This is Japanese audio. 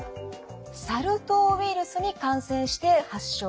サル痘ウイルスに感染して発症します。